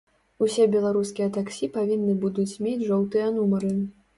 Усе беларускія таксі павінны будуць мець жоўтыя нумары.